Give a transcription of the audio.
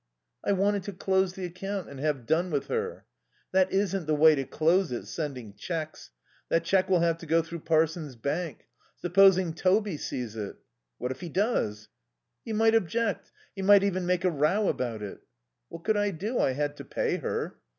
"I wanted to close the account and have done with her." "That isn't the way to close it, sending cheques. That cheque will have to go through Parson's Bank. Supposing Toby sees it?" "What if he does?" "He might object. He might even make a row about it." "What could I do? I had to pay her."